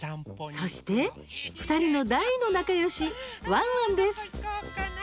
そして、２人の大の仲よしワンワンです。